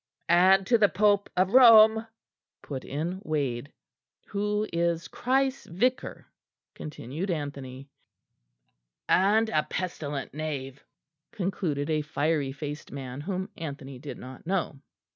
"And to the Pope of Rome," put in Wade. "Who is Christ's Vicar," continued Anthony. "And a pestilent knave," concluded a fiery faced man whom Anthony did not know.